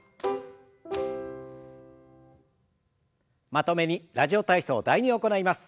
まとめに「ラジオ体操第２」を行います。